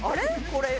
これ。